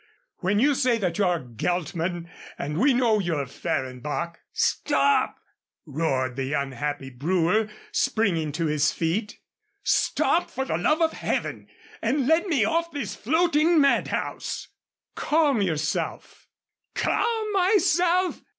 When you say that you're Geltman and we know you're Fehrenbach " "Stop!" roared the unhappy brewer, springing to his feet. "Stop, for the love of Heaven, and let me off this floating madhouse!" "Calm yourself!" "Calm myself!